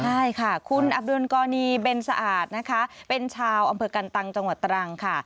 ใช่ค่ะคุณอับดุลกรณีเบนสะอาดนะคะเป็นชาวอำเภอกันตังจังหวัดตรังค่ะ